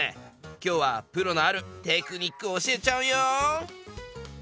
きょうはプロのあるテクニックを教えちゃうよん！